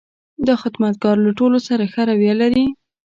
دا خدمتګر له ټولو سره ښه رویه لري.